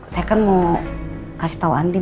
saya kan mau kasih tau andin